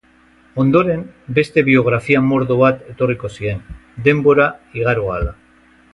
Ondoren, beste biografia mordo bat etorriko ziren, denbora igaro ahala.